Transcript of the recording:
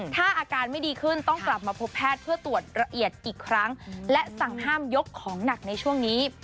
ถ้าอาการไม่ดีขึ้นต้องกลับมาพบแพทย์เพื่อตรวจละเอียดอีกครั้งและสั่งห้ามยกของหนักในช่วงนี้